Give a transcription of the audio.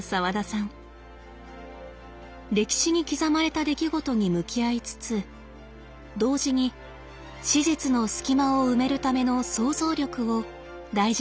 歴史に刻まれた出来事に向き合いつつ同時に史実の隙間を埋めるための想像力を大事にしています。